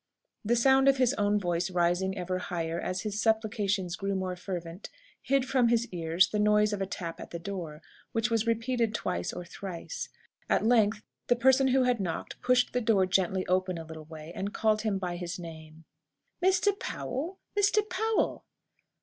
The sound of his own voice rising ever higher, as his supplications grew more fervent, hid from his ears the noise of a tap at the door, which was repeated twice or thrice. At length, the person who had knocked pushed the door gently open a little way, and called him by his name, "Mr. Powell! Mr. Powell!"